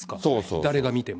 誰が見ても。